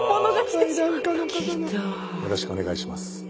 よろしくお願いします。